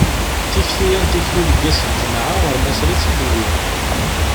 Tikti-ya n tikli deg ass n lǧemɛa, ɣer Maṣer i tt-id-wwin.